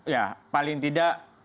ya paling tidak